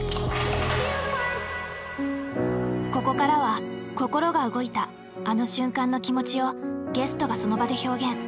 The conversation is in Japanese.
ここからは心が動いたあの瞬間の気持ちをゲストがその場で表現。